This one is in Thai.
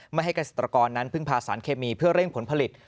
ให้เกษตรกรนั้นพึ่งพาสารเคมีเพื่อเร่งผลผลิต